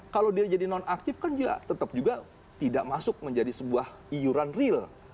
kalau dia jadi non aktif kan tetap juga tidak masuk menjadi sebuah iuran real